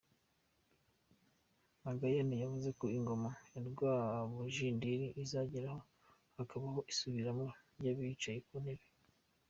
Magayane yavuze ko ingoma ya Rwabujindiri izageraho hakabaho isubiranamo ry’abicaye ku ntebe.